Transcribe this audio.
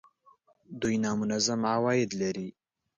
دوی نامنظم عواید لري